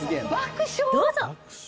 どうぞ！